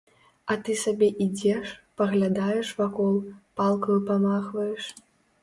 А ты сабе ідзеш, паглядаеш вакол, палкаю памахваеш.